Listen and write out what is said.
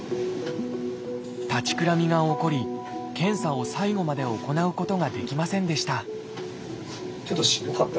立ちくらみが起こり検査を最後まで行うことができませんでした